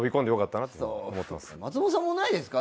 松本さんもないですか？